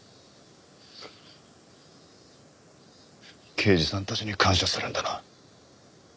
刑事さんたちに感謝するんだな。